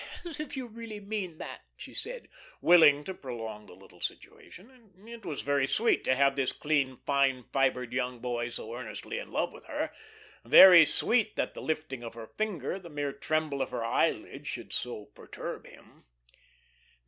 "As if you really meant that," she said, willing to prolong the little situation. It was very sweet to have this clean, fine fibred young boy so earnestly in love with her, very sweet that the lifting of her finger, the mere tremble of her eyelid should so perturb him.